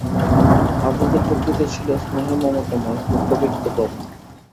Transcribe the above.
আর্যদের প্রকৃতি ছিল স্নেহমমতাময় ও কবিত্বপ্রবণ।